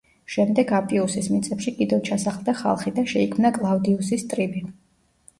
შემდეგ აპიუსის მიწებში კიდევ ჩასახლდა ხალხი და შეიქმნა კლავდიუსის ტრიბი.